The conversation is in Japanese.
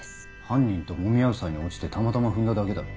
犯人ともみ合う際に落ちてたまたま踏んだだけだろ？